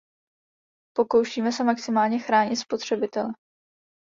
Pokoušíme se maximálně chránit spotřebitele.